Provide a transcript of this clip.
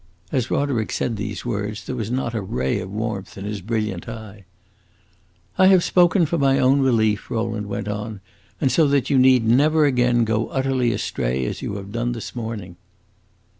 As Roderick said these words there was not a ray of warmth in his brilliant eye. "I have spoken for my own relief," Rowland went on, "and so that you need never again go so utterly astray as you have done this morning."